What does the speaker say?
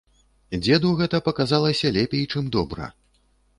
Дзеду гэта паказалася лепей, чым добра.